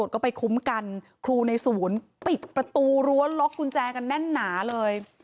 ก็ไปคุ้มกันครูในศูนย์ปิดประตูรั้วล็อกกุญแจกันแน่นหนาเลย